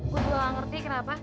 gue juga gak ngerti kenapa